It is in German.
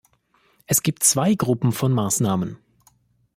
Es gibt zwei Gruppen von Maßnahmen.